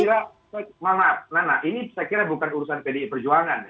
saya maaf nana ini saya kira bukan urusan pdi perjuangan